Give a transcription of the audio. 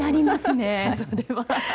それは。